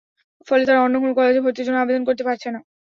ফলে তারা অন্য কোনো কলেজে ভর্তির জন্য আবেদন করতে পারছে না।